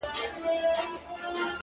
د فکرونه’ ټوله مزخرف دي’